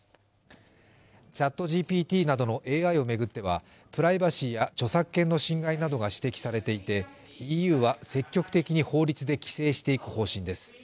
ＣｈａｔＧＰＴなどのＡＩを巡ってはプライバシーや著作権の侵害などが指摘されていてＥＵは積極的に法律で規制していく方針です。